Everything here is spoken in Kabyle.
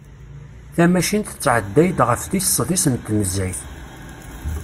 Tamacint tettɛedday-d ɣef tis sḍis n tnezzayt.